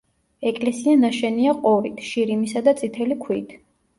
ეკლესია ნაშენია ყორით, შირიმისა და წითელი ქვით.